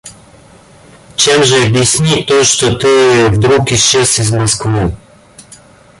Чем же объяснить то, что ты вдруг исчез из Москвы?